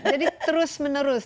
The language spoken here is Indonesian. jadi terus menerus